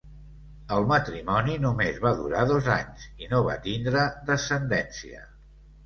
El matrimoni només va durar dos anys, i no van tindre descendència.